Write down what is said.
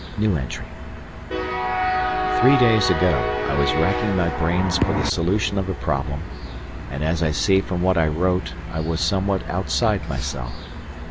Three days ago, I was racking my brains for the solution of a problem, and, as I see from what I wrote, I was somewhat outside myself.